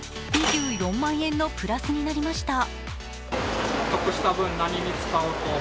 ２４万円のプラスになりました。